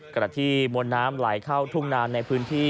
ขณะที่มวลน้ำไหลเข้าทุ่งนานในพื้นที่